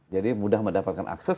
jadi mudah mendapatkan akses